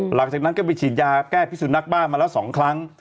หลังจากนั้นก็ไปฉีดยาแก้พิสุนักบ้ามาแล้ว๒ครั้ง